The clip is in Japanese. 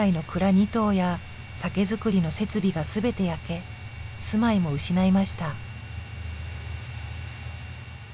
２棟や酒造りの設備が全て焼け住まいも失いました。